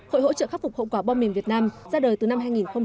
hội hỗ trợ khắc phục hậu quả bom mìn việt nam ra đời từ năm hai nghìn một mươi